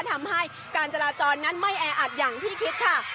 ทำให้การจราจรนั้นไม่แออัดอย่างที่คิดค่ะ